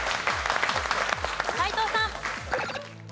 斎藤さん。